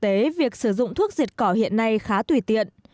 thì thực tế việc sử dụng thuốc diệt cỏ hiện nay khá tùy tiện